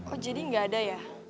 oh jadi nggak ada ya